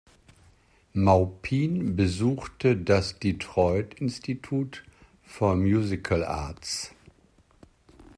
Maupin besuchte das Detroit Institute for Musical Arts.